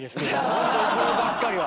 ホントにこればっかりは。